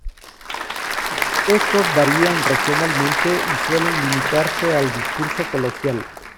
Estos varían regionalmente y suelen limitarse al discurso coloquial.